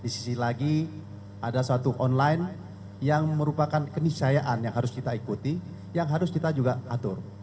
satu online yang merupakan kenisayaan yang harus kita ikuti yang harus kita juga atur